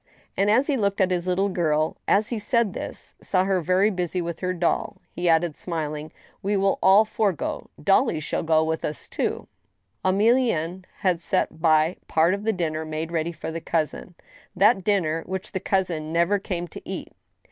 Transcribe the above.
" And, as he looked at his little girl as he said this, and saw her very busy with her doll, he added, smiling :" We will all four go. Dolly shall go with us too." A WAKENEJ). 89 Emilienne had set by part of the dinner made reaiiy for the cousin, that dinner which the cousin never came to eat.